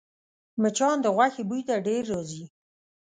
مچان د غوښې بوی ته ډېر راځي